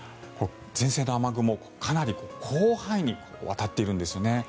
前線の雨雲、かなり広範囲にわたっているんですね。